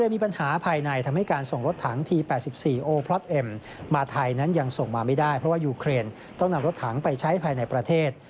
มาไทยนั้นยังส่งมาไม่ได้เพราะว่ายูเครนต้องนำรถถังไปใช้ภายในประเทศ